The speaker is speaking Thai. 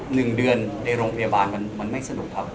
หนึ่งเดือนในโรงพยาบาลมันมันไม่สนุกครับ